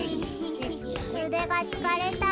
うでがつかれた。